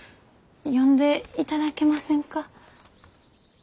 読んでいただけませんか？